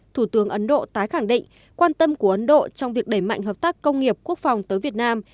thủ tướng ấn độ tái khẳng định quan tâm của ấn độ trong việc đẩy mạnh hợp tác công nghiệp quốc phòng tới việt nam